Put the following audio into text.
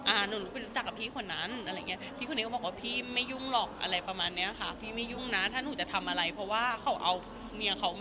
อ่าหนูรู้จักกับพี่คนนั้นอะไรอย่างเงี้ยพี่คนนี้เขาบอกว่าพี่ไม่ยุ่งหรอกอะไรประมาณเนี้ยค่ะ